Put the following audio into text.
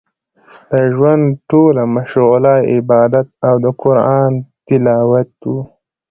د ژوند ټوله مشغولا يې عبادت او د قران تلاوت و.